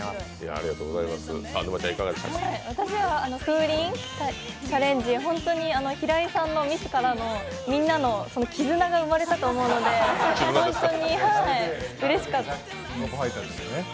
私は風鈴チャレンジ、本当に平井さんのミスからの、みんなの絆が生まれたと思うので本当にうれしかったです。